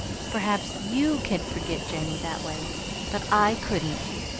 Perhaps YOU can forget Jamie that way; but I couldn't.